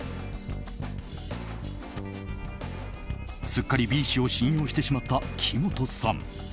すっかりＢ氏を信用してしまった木本さん。